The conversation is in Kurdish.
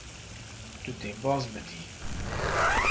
Tu dê baz bidî.